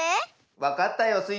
わかったよスイ